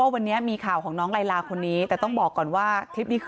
ในจะอีโม่ว้ายังรักไหมต้องบายใจไปฝันดี